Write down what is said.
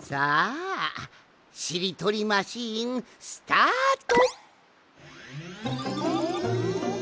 さあしりとりマシーンスタート！